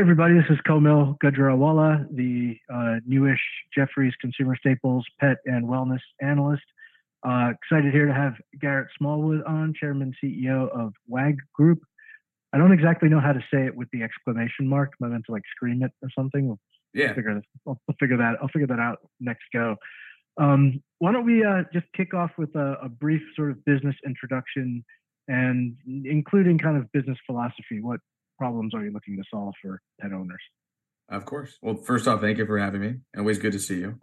Hey, everybody, this is Kaumil Gajrawala, the new-ish Jefferies Consumer Staples, Pet and Wellness analyst. Excited to have Garrett Smallwood on, Chairman and CEO of Wag! Group. I don't exactly know how to say it with the exclamation mark. Am I meant to, like, scream it or something? Yeah. Why don't we just kick off with a brief sort of business introduction and including kind of business philosophy? What problems are you looking to solve for pet owners? Of course. Well, first off, thank you for having me. Always good to see you.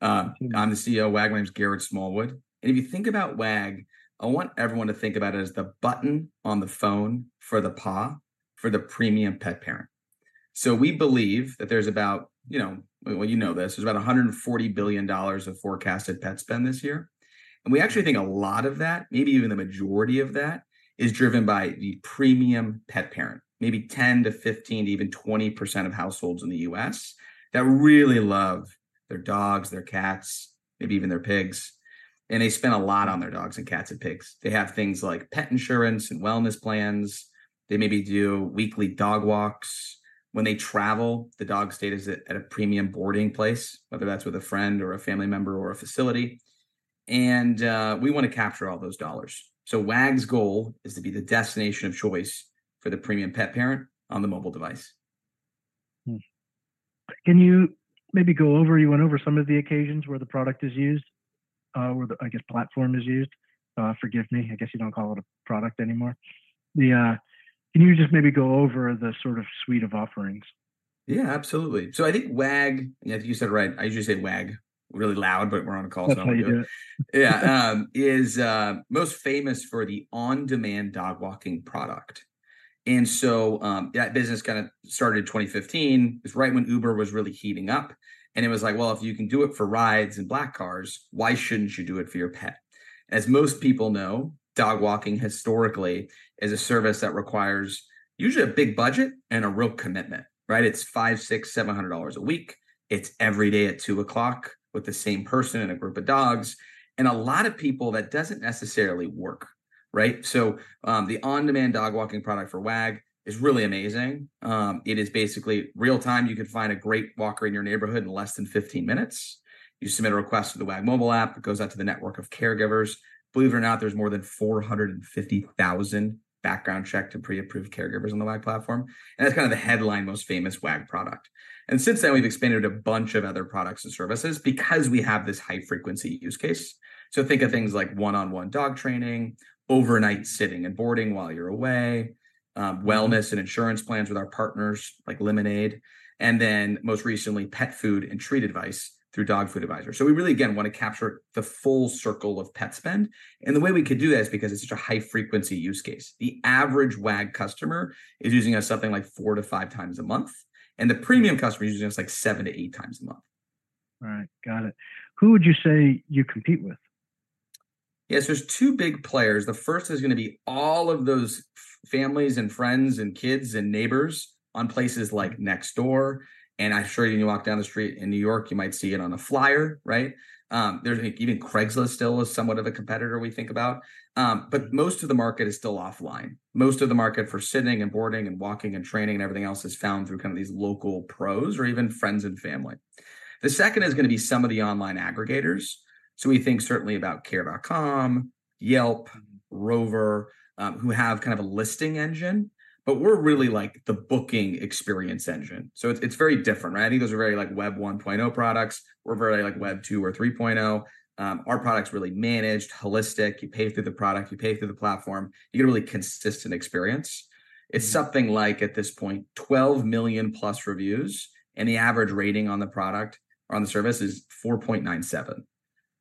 I'm the CEO of Wag!, my name's Garrett Smallwood, and if you think about Wag!, I want everyone to think about it as the button on the phone for the paw, for the premium pet parent. So we believe that there's about, you know, well, you know this, there's about $140 billion of forecasted pet spend this year, and we actually think a lot of that, maybe even the majority of that, is driven by the premium pet parent. Maybe 10%-15% to even 20% of households in the U.S. that really love their dogs, their cats, maybe even their pigs, and they spend a lot on their dogs and cats and pigs. They have things like pet insurance and wellness plans. They maybe do weekly dog walks. When they travel, the dog stays at a premium boarding place, whether that's with a friend or a family member or a facility, and we wanna capture all those dollars. So Wag!'s goal is to be the destination of choice for the premium pet parent on the mobile device. Can you maybe go over. You went over some of the occasions where the product is used, or the, I guess, platform is used. Forgive me, I guess you don't call it a product anymore. Yeah, can you just maybe go over the sort of suite of offerings? Yeah, absolutely. So I think Wag!, and you said it right, I usually say Wag! really loud, but we're on a call, so I'm gonna- That's how you do it. Yeah. Most famous for the on-demand dog walking product, that business kind of started in 2015. It's right when Uber was really heating up, and it was like: Well, if you can do it for rides and black cars, why shouldn't you do it for your pet? As most people know, dog walking historically is a service that usually requires a big budget and a real commitment, right? It's $500-$700 a week, it's every day at 2:00 with the same person and a group of dogs, and a lot of people, that doesn't necessarily work, right? So, the on-demand dog walking product for Wag! is really amazing. It is basically real-time. You could find a great walker in your neighborhood in less than 15 minutes. You submit a request to the Wag! The mobile app, it goes out to the network of caregivers. Believe it or not, there's more than 450,000 background-checked and pre-approved caregivers on the Wag! platform, and that's kind of the headline, most famous Wag! product. Since then, we've expanded a bunch of other products and services because we have this high-frequency use case. So think of things like one-on-one dog training, overnight sitting and boarding while you're away, wellness and insurance plans with our partners, like Lemonade, and then most recently, pet food and treat advice through Dog Food Advisor. So we really, again, wanna capture the full circle of pet spend, and the way we could do that is because it's such a high-frequency use case. The average Wag! Customer is using us something like 4x-5x a month, and the premium customer is using us like 7x-8x a month. Right. Got it. Who would you say you compete with? Yes, there's two big players. The first is gonna be all of those families and friends and kids and neighbors on places like Nextdoor, and I'm sure when you walk down the street in New York, you might see it on a flyer, right? There's even Craigslist still somewhat of a competitor we think about. But most of the market is still offline. Most of the market for sitting, boarding, walking, training, and everything else is found through kind of these local pros or even friends and family. The second is gonna be some of the online aggregators, so we think certainly about Care.com, Yelp, Rover, who have kind of a listing engine, but we're really, like, the booking experience engine, so it's, it's very different, right? Those are very, like, Web 1.0 products. We're very, like, Web 2 or 3.0. Our product's really managed, holistic. You pay through the product, you pay through the platform, you get a really consistent experience. It's something like, at this point, 12 million-plus reviews, and the average rating on the product, or on the service is 4.97.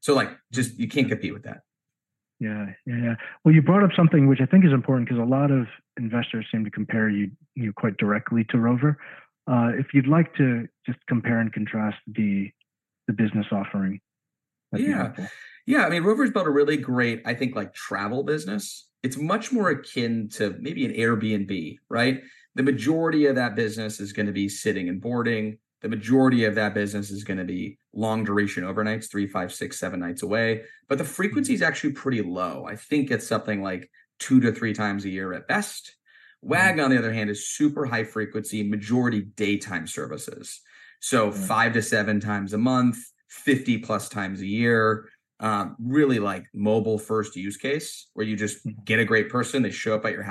So, like, just you can't compete with that. Yeah. Yeah, yeah. Well, you brought up something which I think is important because a lot of investors seem to compare you quite directly to Rover. If you'd like to just compare and contrast the business offering, that'd be helpful. Yeah. Yeah, I mean, Rover's built a really great, I think, like, travel business. It's much more akin to maybe an Airbnb, right? The majority of that business is gonna be sitting and boarding. The majority of that business is gonna be long duration, overnights, three, five, six, seven nights away, but the frequency is actually pretty low. I think it's something like 2x-3x a year at best. Wag!, on the other hand, is super high frequency, majority daytime services. So 5x-7x a month, 50x+ a year, really like mobile-first use case, where you just get a great person, they show up at your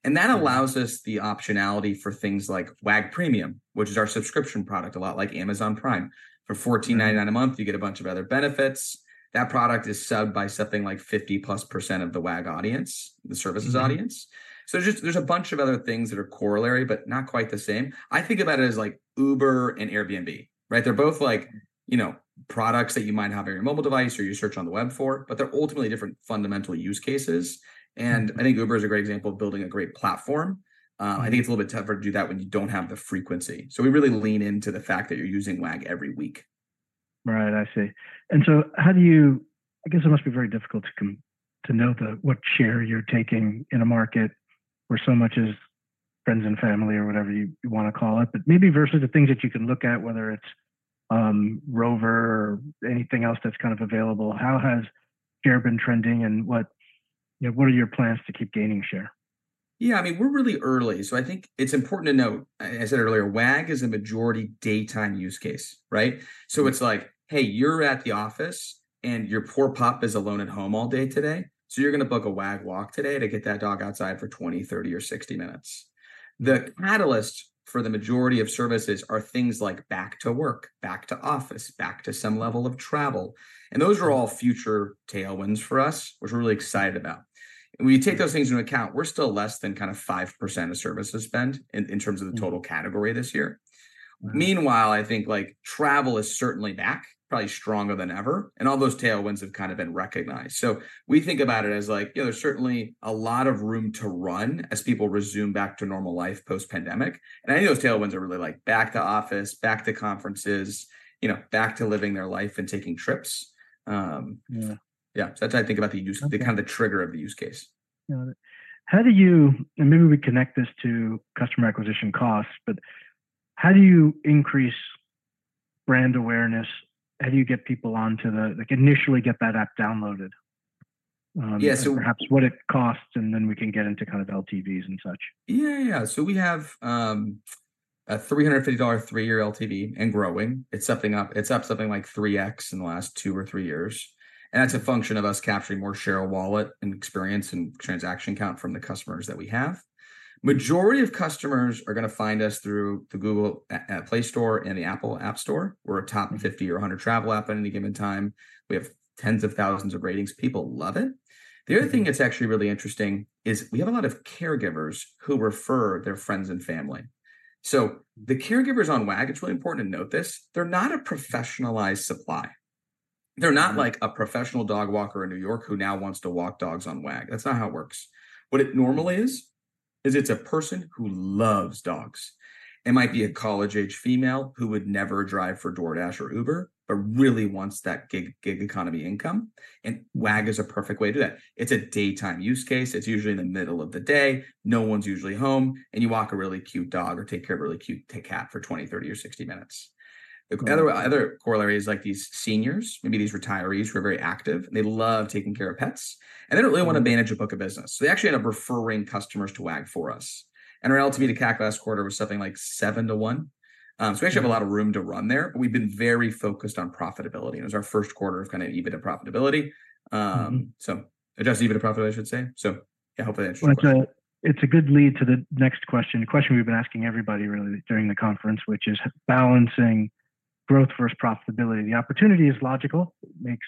house, no one is there. That allows us the optionality for things like Wag! Premium, which is our subscription product, a lot like Amazon Prime. Right. For $14.99 a month, you get a bunch of other benefits. That product is subbed by something like 50%+ of the Wag! audience, the services audience. So just, there's a bunch of other things that are corollary, but not quite the same. I think about it as like Uber and Airbnb, right? They're both like, you know, products that you might have on your mobile device or you search on the web for, but they're ultimately different fundamental use cases. And I think Uber is a great example of building a great platform. I think it's a little bit tougher to do that when you don't have the frequency, so we really lean into the fact that you're using Wag! every week. Right, I see. And so how do you. I guess it must be very difficult to come to know what share you're taking in a market where so much is friends and family or whatever you wanna call it, but maybe versus the things that you can look at, whether it's Rover or anything else that's kind of available, how has share been trending, and what, you know, what are your plans to keep gaining share? Yeah, I mean, we're really early, so I think it's important to note, I, I said earlier, Wag! is a majority daytime use case, right? So it's like, hey, you're at the office, and your poor pup is alone at home all day today, so you're gonna book a Wag! Walk today to get that dog outside for 20, 30, or 60 minutes. The catalyst for the majority of services are things like back to work, back to office, back to some level of travel, and those are all future tailwinds for us, which we're really excited about. When you take those things into account, we're still less than kind of 5% of service spend in terms of the total category this year. Right. Meanwhile, I think, like, travel is certainly back, probably stronger than ever, and all those tailwinds have kind of been recognized. So we think about it as like, you know, there's certainly a lot of room to run as people resume back to normal life post-pandemic, and any of those tailwinds are really, like, back to office, back to conferences, you know, back to living their life and taking trips. Yeah. Yeah. That's how I think about the use- Okay. The kind of trigger of the use case. Got it. How do you. And maybe we connect this to customer acquisition costs, but how do you increase brand awareness? How do you get people onto the—like, initially get that app downloaded, Yeah, so- Perhaps what it costs, and then we can get into kind of LTVs and such. Yeah, yeah. So we have a $350 three-year LTV and are growing. It's up something like 3x in the last two or three years, and that's a function of us capturing more share of wallet, experience, and transaction count from the customers that we have. The majority of customers are gonna find us through the Google Play Store and the Apple App Store. We're a top 50 or 100 travel app at any given time. We have 10,000 ratings. People love it. The other thing that's actually really interesting is that we have a lot of caregivers who refer their friends and family. So, the caregivers on Wag!, it's really important to note this, they're not a professionalized supply. They're not like a professional dog walker in New York who now wants to walk dogs on Wag! That's not how it works. What it normally is, is it's a person who loves dogs. It might be a college-age female who would never drive for DoorDash or Uber, but really wants that gig, gig economy income, and Wag! is a perfect way to do that. It's a daytime use case. It's usually in the middle of the day, no one's usually home, and you walk a really cute dog or take care of a really cute cat for 20, 30, or 60 minutes. The other, other corollary is like these seniors, maybe these retirees who are very active and they love taking care of pets, and they don't really want to manage a book of business, so they actually end up referring customers to Wag! for us. And our LTV to CAC last quarter was something like 7:1. We actually have a lot of room to run there, but we've been very focused on profitability. It was our first quarter of EBITDA profitability. So, Adjusted EBITDA profit, I should say. So, yeah, hopefully that answers your question. Well, it's a good lead to the next question, the question we've been asking everybody really during the conference, which is balancing growth versus profitability. The opportunity is logical, makes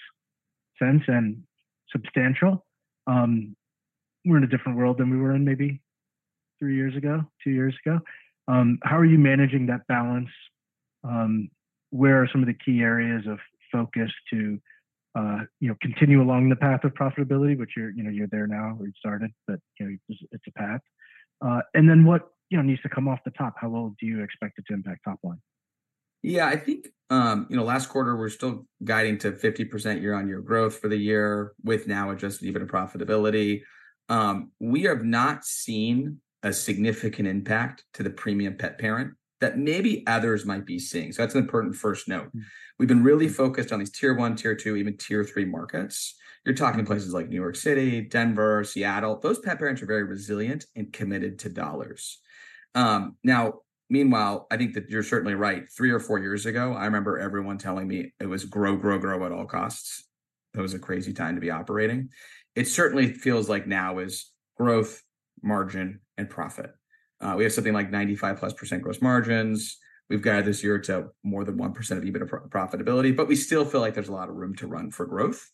sense and substantial. We're in a different world than we were in maybe three years ago, two years ago. How are you managing that balance? Where are some of the key areas of focus to, you know, continue along the path of profitability, which you're, you know, you're there now, or you've started, but, you know, it's a path. And then what, you know, needs to come off the top? How well do you expect it to impact top line? Yeah, I think, you know, last quarter, we're still guiding to 50% year-on-year growth for the year with now Adjusted EBITDA profitability. We have not seen a significant impact to the premium pet parent that maybe others might be seeing. So that's an important first note. We've been really focused on these Tier One, Tier Two, even Tier Three markets. You're talking places like New York City, Denver, Seattle. Those pet parents are very resilient and committed to dollars. Now, meanwhile, I think that you're certainly right. Three or four years ago, I remember everyone telling me it was grow, grow, grow at all costs. It was a crazy time to be operating. It certainly feels like now is growth, margin, and profit. We have something like 95%+ gross margins. We've guided this year to more than 1% of EBITDA pro-profitability, but we still feel like there's a lot of room to run for growth.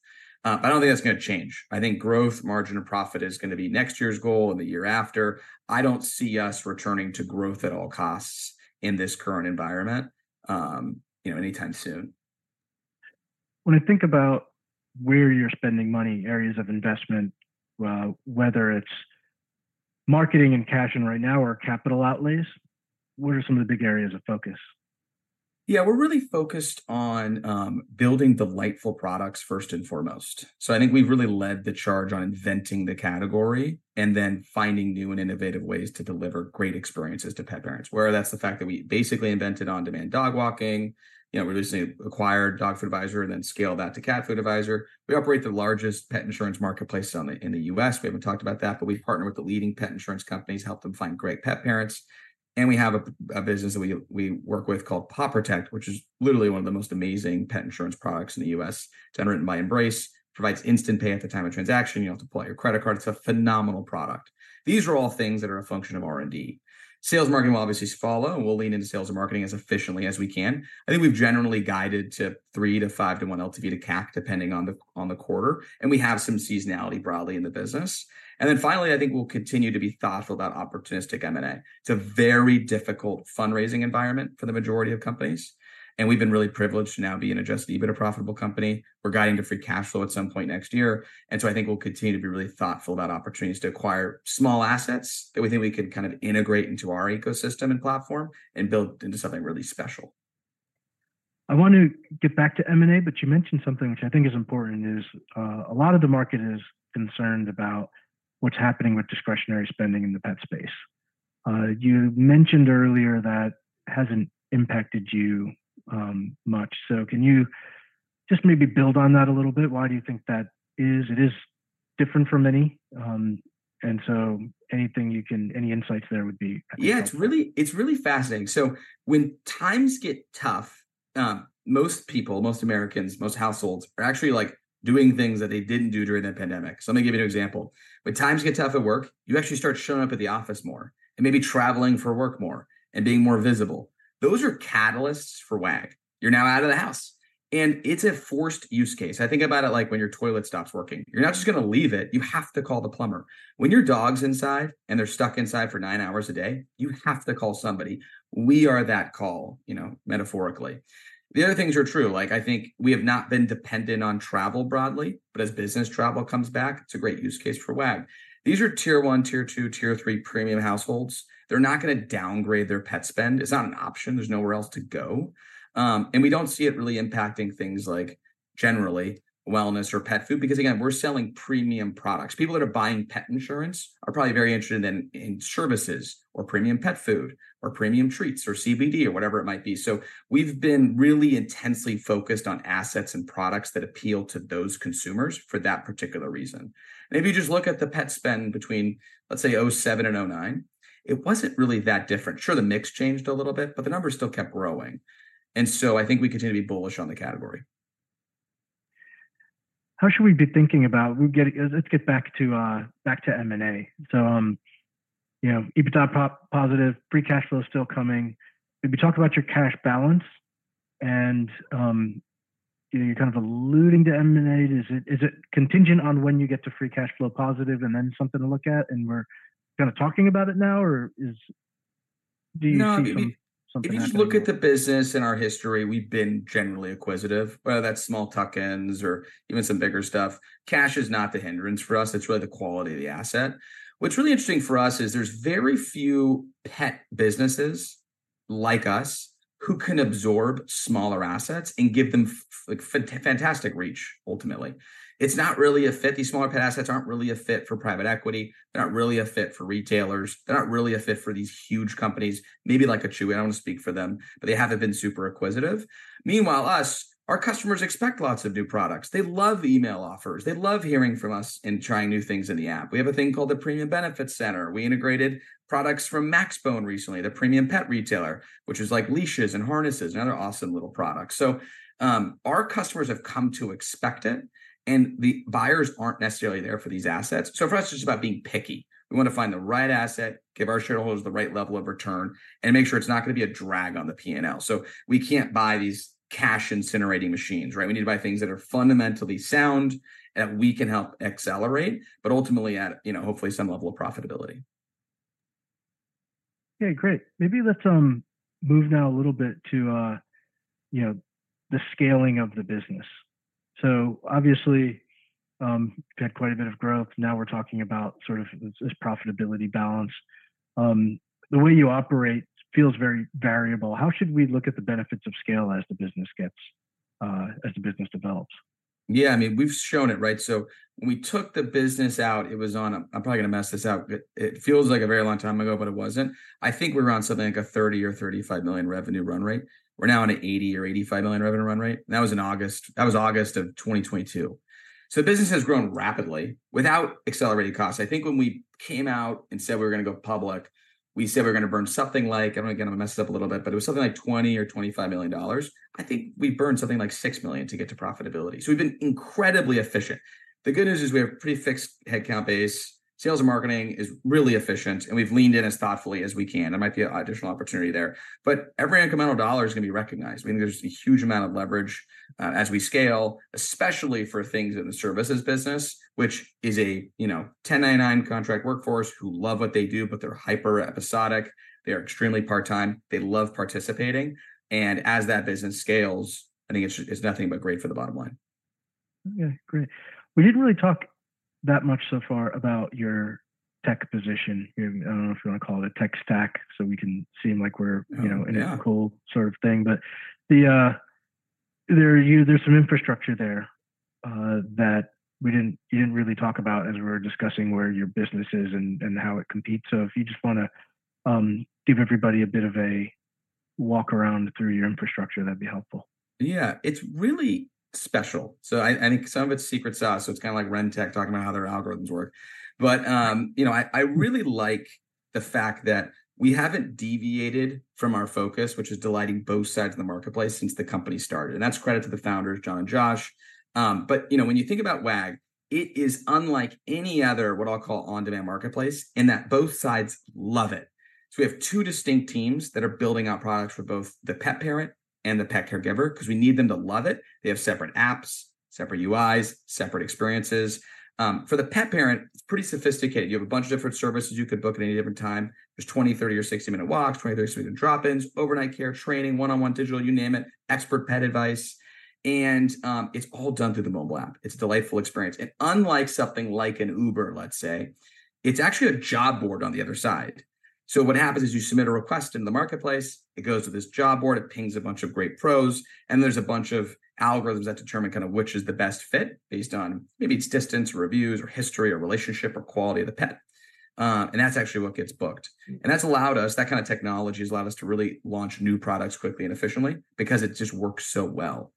I don't think that's gonna change. I think growth, margin, and profit is gonna be next year's goal and the year after. I don't see us returning to growth at all costs in this current environment, you know, anytime soon. When I think about where you're spending money, areas of investment, whether it's marketing and cashing right now or capital outlays, what are some of the big areas of focus? Yeah, we're really focused on building delightful products first and foremost. So I think we've really led the charge on inventing the category, and then finding new and innovative ways to deliver great experiences to pet parents. Where that's the fact that we basically invented on-demand dog walking, you know, we recently acquired Dog Food Advisor, and then scaled that to Cat Food Advisor. We operate the largest pet insurance marketplace on the, in the U.S. We haven't talked about that, but we've partnered with the leading pet insurance companies, helped them find great pet parents, and we have a business that we work with called Paw Protect, which is literally one of the most amazing pet insurance products in the U.S. It's underwritten by Embrace, provides instant pay at the time of transaction. You don't have to pull out your credit card. It's a phenomenal product. These are all things that are a function of R&D. Sales marketing will obviously follow, and we'll lean into sales and marketing as efficiently as we can. I think we've generally guided to three to five to one LTV to CAC, depending on the quarter, and we have some seasonality broadly in the business. And then finally, I think we'll continue to be thoughtful about opportunistic M&A. It's a very difficult fundraising environment for the majority of companies, and we've been really privileged to now be an Adjusted EBITDA profitable company. We're guiding to free cash flow at some point next year, and so I think we'll continue to be really thoughtful about opportunities to acquire small assets that we think we can kind of integrate into our ecosystem and platform and build into something really special. I want to get back to M&A, but you mentioned something which I think is important is a lot of the market is concerned about what's happening with discretionary spending in the pet space. You mentioned earlier that hasn't impacted you much. So can you just maybe build on that a little bit? Why do you think that is? It is different for many, and so any insights there would be helpful. Yeah, it's really, it's really fascinating. So when times get tough, most people, most Americans, most households are actually, like, doing things that they didn't do during the pandemic. So let me give you an example. When times get tough at work, you actually start showing up at the office more, and maybe traveling for work more, and being more visible. Those are catalysts for Wag. You're now out of the house, and it's a forced use case. I think about it like when your toilet stops working. You're not just gonna leave it. You have to call the plumber. When your dog's inside, and they're stuck inside for nine hours a day, you have to call somebody. We are that call, you know, metaphorically. The other things are true, like I think we have not been dependent on travel broadly, but as business travel comes back, it's a great use case for Wag!. These are Tier One, Tier Two, and Tier Three premium households. They're not gonna downgrade their pet spend. It's not an option. There's nowhere else to go. And we don't see it really impacting things like, generally, wellness or pet food, because again, we're selling premium products. People who are buying pet insurance are probably very interested in, in services, or premium pet food, or premium treats, or CBD, or whatever it might be. So we've been really intensely focused on assets and products that appeal to those consumers for that particular reason. And if you just look at the pet spend between, let's say, 2007 and 2009, it wasn't really that different. Sure, the mix changed a little bit, but the numbers still kept growing, and so I think we continue to be bullish on the category. How should we be thinking about? Let's get back to M&A. So, you know, EBITDA positive, free cash flow is still coming. If you talk about your cash balance, and you know, you're kind of alluding to M&A, is it contingent on when you get to free cash flow positive, and then something to look at, and we're kind of talking about it now, or it? Do you see something happening there? If you just look at the business and our history, we've been generally acquisitive, whether that's small tuck-ins or even some bigger stuff. Cash is not a hindrance for us. It's really the quality of the asset. What's really interesting for us is that there are very few pet businesses like us that can absorb smaller assets and give them, like, fantastic reach ultimately. It's not really a fit. These smaller pet assets aren't really a fit for private equity. They're not really a fit for retailers. They're not really a fit for these huge companies, maybe like a Chewy. I don't speak for them, but they haven't been super acquisitive. Meanwhile, us, our customers expect lots of new products. They love email offers. They love hearing from us and trying new things in the app. We have a thing called the Premium Benefits Center. We integrated products from Maxbone recently, the premium pet retailer, which is like leashes and harnesses and other awesome little products. So, our customers have come to expect it, and the buyers aren't necessarily there for these assets. So for us, it's just about being picky. We want to find the right asset, give our shareholders the right level of return, and make sure it's not gonna be a drag on the P&L. So we can't buy these cash-incinerating machines, right? We need to buy things that are fundamentally sound, that we can help accelerate, but ultimately at, you know, hopefully some level of profitability. Okay, great. Maybe let's move now a little bit to you know, the scaling of the business. So obviously had quite a bit of growth. Now we're talking about sort of this, this profitability balance. The way you operate feels very variable. How should we look at the benefits of scale as the business gets, as the business develops? Yeah, I mean, we've shown it, right? So when we took the business out, it was on a, I'm probably gonna mess this up, but it feels like a very long time ago, but it wasn't. I think we're on something like a $30 million-$35 million revenue run rate. We're now on an $80 million-$85 million revenue run rate. That was in August. That was August of 2022. So business has grown rapidly without accelerating costs. I think when we came out and said we were gonna go public, we said we're gonna burn something like, I'm gonna again mess it up a little bit, but it was something like $20 million-$25 million. I think we burned something like $6 million to get to profitability. So we've been incredibly efficient. The good news is we have pretty fixed headcount base. Sales and marketing is really efficient, and we've leaned in as thoughtfully as we can. There might be an additional opportunity there, but every incremental dollar is gonna be recognized. I mean, there's a huge amount of leverage as we scale, especially for things in the services business, which is a, you know, 1099 contract workforce who love what they do, but they're hyper-episodic. They are extremely part-time. They love participating, and as that business scales, I think it's nothing but great for the bottom line. Okay, great. We didn't really talk that much so far about your tech position. I don't know if you wanna call it a tech stack, so we can seem like we're, you know- Yeah... in a cool sort of thing. But the, there's some infrastructure there that we didn't, you didn't really talk about as we were discussing where your business is and, and how it competes. So if you just wanna give everybody a bit of a walk around through your infrastructure, that'd be helpful. Yeah, it's really special. So I think some of it's secret sauce, so it's kinda like RenTech, talking about how their algorithms work. But, you know, I really like the fact that we haven't deviated from our focus, which is delighting both sides of the marketplace since the company started, and that's credit to the founders, John and Josh. But, you know, when you think about Wag, it is unlike any other, what I'll call on-demand marketplace, in that both sides love it. So we have two distinct teams that are building out products for both the pet parent and the pet caregiver, 'cause we need them to love it. They have separate apps, separate UIs, separate experiences. For the pet parent, it's pretty sophisticated. You have a bunch of different services you could book at any different time. There's 20-, 30-, or 60-minute walks, 20-, 30-minute drop-ins, overnight care, training, one-on-one digital, you name it, expert pet advice, and it's all done through the mobile app. It's a delightful experience. Unlike something like an Uber, let's say, it's actually a job board on the other side. What happens is you submit a request in the marketplace, it goes to this job board, it pings a bunch of great pros, and there's a bunch of algorithms that determine kind of which is the best fit based on maybe it's distance, reviews, or history, or relationship, or quality of the pet. That's actually what gets booked. That's allowed us, that kind of technology has allowed us to really launch new products quickly and efficiently because it just works so well.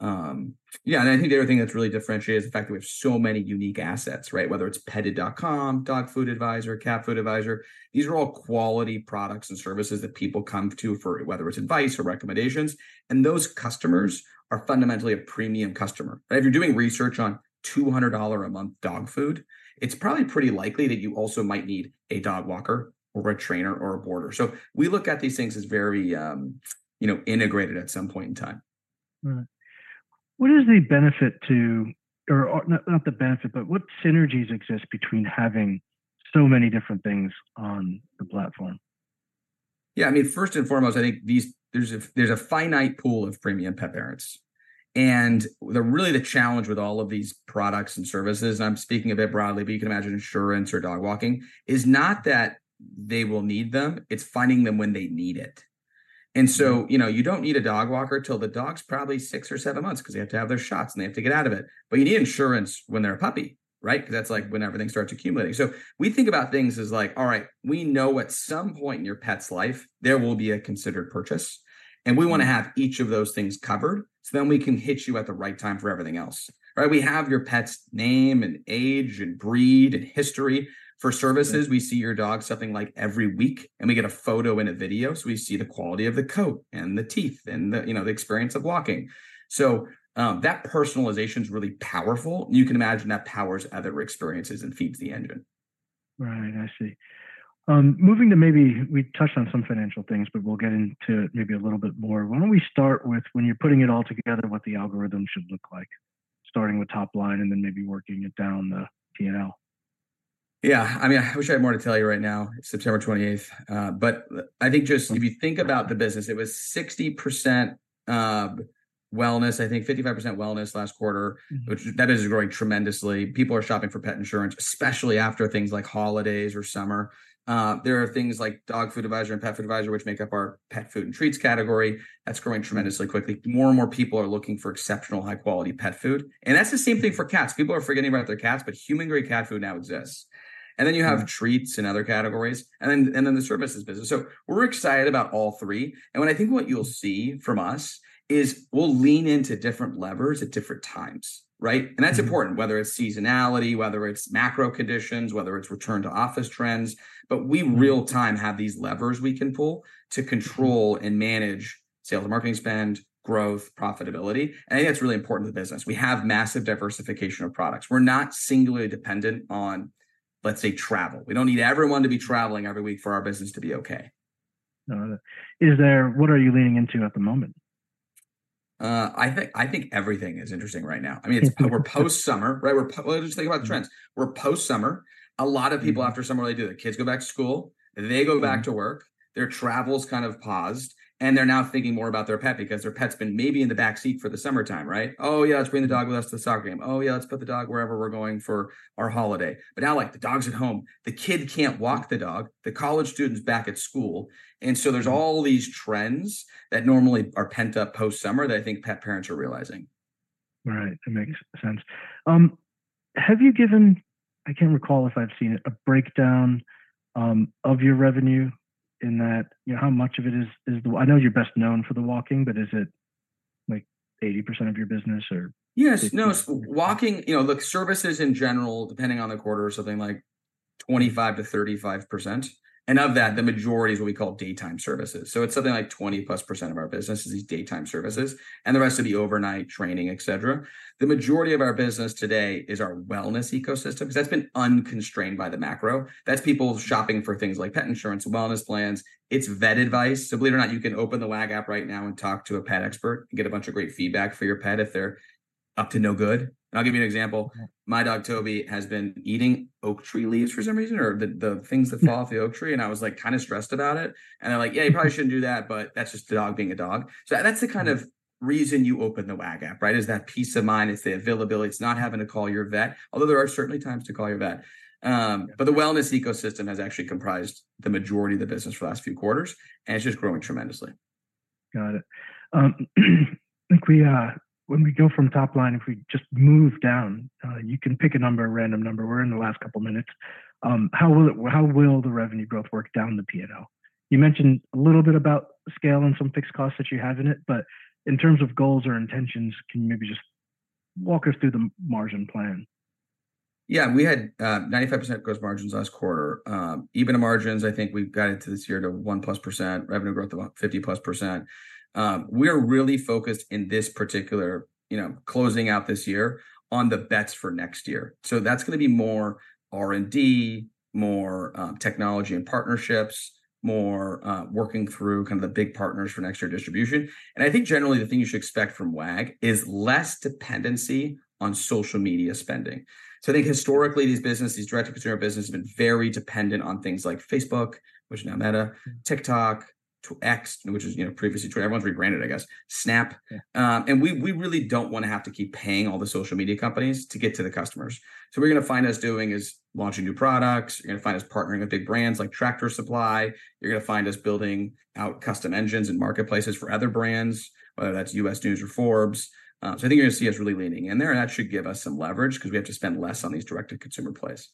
Yeah, and I think the other thing that's really differentiated is the fact that we have so many unique assets, right? Whether it's Petted.com, Dog Food Advisor, Cat Food Advisor, these are all quality products and services that people come to for, whether it's advice or recommendations, and those customers are fundamentally a premium customer. And if you're doing research on $200 a month dog food, it's probably pretty likely that you also might need a dog walker or a trainer or a boarder. So we look at these things as very, you know, integrated at some point in time. Right. What is the benefit to, or, or not, not the benefit, but what synergies exist between having so many different things on the platform? Yeah, I mean, first and foremost, I think these, there's a finite pool of premium pet parents. And really, the challenge with all of these products and services, and I'm speaking a bit broadly, but you can imagine insurance or dog walking, is not that they will need them, it's finding them when they need it. And so, you know, you don't need a dog walker till the dog's probably six or seven months 'cause they have to have their shots, and they have to get out of it. But you need insurance when they're a puppy, right? 'Cause that's like when everything starts accumulating. So we think about things as like: All right, we know at some point in your pet's life, there will be a considered purchase, and we wanna have each of those things covered, so then we can hit you at the right time for everything else. Right, we have your pet's name and age and breed and history. For services- Yeah ...we see your dog, something like every week, and we get a photo and a video, so we see the quality of the coat and the teeth and the, you know, the experience of walking. So, that personalization's really powerful, and you can imagine that powers other experiences and feeds the engine. Right, I see. Moving to maybe... We touched on some financial things, but we'll get into maybe a little bit more. Why don't we start with when you're putting it all together, what the algorithm should look like? Starting with top line and then maybe working it down the P&L. Yeah, I mean, I wish I had more to tell you right now, it's September 28th. But I think just, if you think about the business, it was 60% wellness, I think 55% wellness last quarter which is growing tremendously. People are shopping for pet insurance, especially after things like holidays or summer. There are things like Dog Food Advisor and Pet Food Advisor, which make up our pet food and treats category. That's growing tremendously quickly. More and more people are looking for exceptional, high-quality pet food, and that's the same thing for cats. People are forgetting about their cats, but human-grade cat food now exists. And then you have treats and other categories, and then, and then the services business. So we're excited about all three, and I think what you'll see from us is we'll lean into different levers at different times, right? That's important, whether it's seasonality, whether it's macro conditions, whether it's return to office trends. But we real time have these levers we can pull to control and manage sales and marketing spend, growth, profitability, and I think that's really important to the business. We have massive diversification of products. We're not singularly dependent on, let's say, travel. We don't need everyone to be traveling every week for our business to be okay. What are you leaning into at the moment? I think, I think everything is interesting right now. I mean, it's- we're post-summer, right? We're well, just think about the trends. We're post-summer. A lot of people after summer, what do they do? Their kids go back to school-... they go back to work, their travels kind of pause, and they're now thinking more about their pet because their pet's been maybe in the backseat for the summertime, right? "Oh, yeah, let's bring the dog with us to the soccer game. Oh, yeah, let's put the dog wherever we're going for our holiday." But now, like, the dog's at home, the kid can't walk the dog, the college student's back at school. There's all these trends that normally are pent up post-summer that I think pet parents are realizing. Right, that makes sense. Have you given, I can't recall if I've seen it, a breakdown of your revenue in that... You know, how much of it is, I know you're best known for the walking, but is it, like, 80% of your business, or- Yes, no, walking—you know, look, services in general, depending on the quarter, are something like 25%-35%, and of that, the majority is what we call daytime services. So it's something like 20%+ of our business is these daytime services, and the rest of the overnight training, et cetera. The majority of our business today is our wellness ecosystem, because that's been unconstrained by the macro. That's people shopping for things like pet insurance, wellness plans. It's vet advice, so believe it or not, you can open the Wag! app right now and talk to a pet expert and get a bunch of great feedback for your pet if they're up to no good. And I'll give you an example. Okay. My dog, Toby, has been eating oak tree leaves for some reason, or the things that fall- Yeah... off the oak tree, and I was, like, kind of stressed about it. They're like: "Yeah, you probably shouldn't do that, but that's just a dog being a dog. That's the kind of reason you open the Wag app, right? It's that peace of mind, it's the availability, it's not having to call your vet, although there are certainly times to call your vet. But the wellness ecosystem has actually comprised the majority of the business for the last few quarters, and it's just growing tremendously. Got it. I think we, when we go from the top line, if we just move down, you can pick a number at random number. We're in the last couple of minutes. How will the revenue growth work down the P&L? You mentioned a little bit about scale and some fixed costs that you have in it, but in terms of goals or intentions, can you maybe just walk us through the margin plan? Yeah, we had 95% gross margins last quarter. Even the margins, I think we've got into this year to 1%+, revenue growth of about 50%+. We're really focused in this particular, you know, closing out this year, on the bets for next year. So that's gonna be more R&D, more technology and partnerships, more working through kind of the big partners for next year distribution. And I think generally, the thing you should expect from Wag is less dependency on social media spending. So I think historically, these business, these direct-to-consumer business have been very dependent on things like Facebook, which is now Meta, TikTok to X, which was, you know, previously Twitter, everyone's rebranded, I guess, Snap. Yeah. We really don't wanna have to keep paying all the social media companies to get to the customers. So what we're gonna find us doing is launching new products, you're gonna find us partnering with big brands like Tractor Supply, you're gonna find us building out custom engines and marketplaces for other brands, whether that's U.S. News or Forbes. So I think you're gonna see us really leaning in there, and that should give us some leverage because we have to spend less on these direct-to-consumer plays.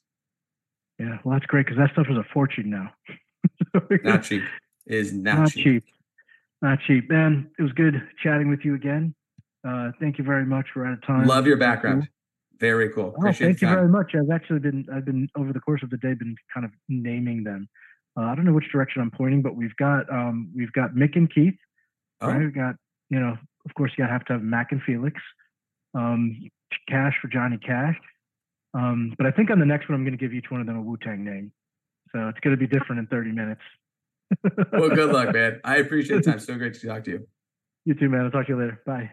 Yeah. Well, that's great, 'cause that stuff is a fortune now. Not cheap. It is not cheap. Not cheap. Not cheap. man, it was good chatting with you again. Thank you very much. We're out of time. Love your background. Very cool. Appreciate the time. Oh, thank you very much. I've actually been over the course of the day, kind of naming them. I don't know which direction I'm pointing, but we've got Mick and Keith. Oh. We've got, you know, of course, you have to have Mack and Felix, Cash for Johnny Cash. But I think on the next one, I'm gonna give each one of them a Wu-Tang name, so it's gonna be different in 30 minutes. Well, good luck, man. I appreciate the time. So great to talk to you. You too, man. I'll talk to you later. Bye.